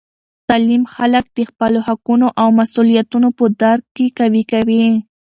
تعلیم خلک د خپلو حقونو او مسؤلیتونو په درک کې قوي کوي.